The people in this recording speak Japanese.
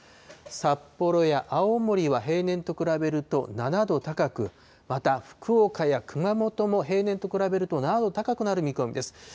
札幌や青森は平年と比べると７度高く、また福岡や熊本も平年と比べると、７度高くなる見込みです。